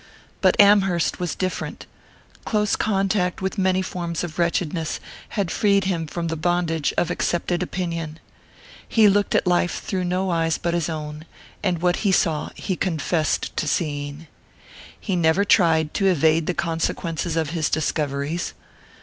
But Amherst was different. Close contact with many forms of wretchedness had freed him from the bondage of accepted opinion. He looked at life through no eyes but his own; and what he saw, he confessed to seeing. He never tried to evade the consequences of his discoveries.